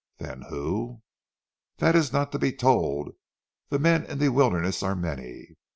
"Then who " "Dat ees not to be told. Zee men in zee wilderness are many."